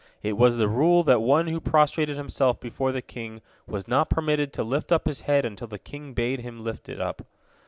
It was the rule that one who prostrated himself before the king was not permitted to lift up his head until the king bade him lift it up.